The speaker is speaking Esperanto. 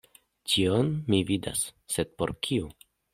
Tion mi vidas..., sed por kiu?